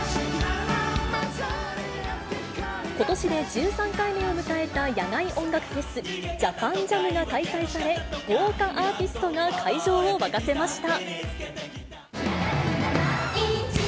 ことしで１３回目を迎えた野外音楽フェス、ＪＡＰＡＮＪＡＭが開催され、豪華アーティストが会場を沸かせました。